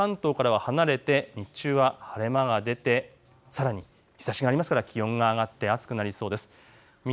関東からは離れて日中は晴れ間が出てさらに日ざしがありますから気温が上がって暑くなりそうです。